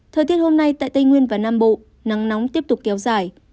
thời tiết hôm nay tại tây nguyên và nam bộ nắng nóng tiếp tục kéo dài